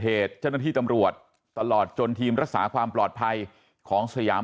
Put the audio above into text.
เหตุเจ้าหน้าที่ตำรวจตลอดจนทีมรักษาความปลอดภัยของสยาม